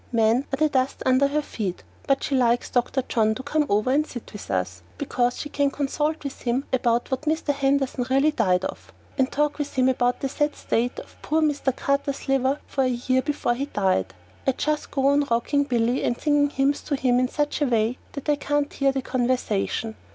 Men are the dust under her feet, but she likes Dr. John to come over and sit with us, because she can consult with him about what Mr. Henderson really died of, and talk with him about the sad state of poor Mr. Carter's liver for a year before he died. I just go on rocking Billy and singing hymns to him in such a way that I can't hear the conversation.